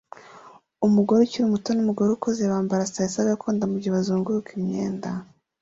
Umugore ukiri muto numugore ukuze bambara saris gakondo mugihe bazunguruka imyenda